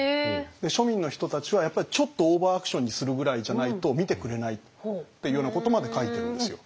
で庶民の人たちはやっぱりちょっとオーバーアクションにするぐらいじゃないと見てくれないっていうようなことまで書いてるんですよ。